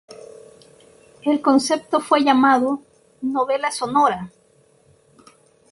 El concepto fue llamado "novela sonora".